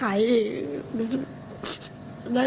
ได้หรือเปล่าคะ